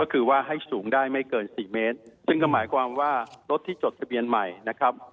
ก็คือว่าให้สูงได้ไม่เกินสี่เมตรซึ่งก็หมายความว่ารถที่จดทะเบียนใหม่นะครับ